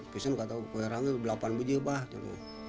pesen kata kue rangi delapan buji pak